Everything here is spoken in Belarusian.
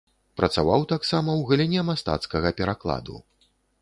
Працаваў таксама ў галіне мастацкага перакладу.